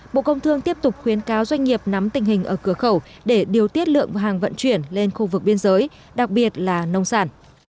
bộ công thương tiếp tục khuyến cáo doanh nghiệp nắm tình hình ở cửa khẩu để điều tiết lượng hàng vận chuyển lên khu vực biên giới đặc biệt là nông sản